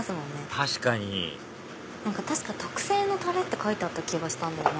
確かに確か特製のタレって書いてあった気がしたんだよな。